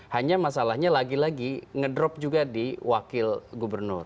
hanya masalahnya lagi lagi ngedrop juga di wakil gubernur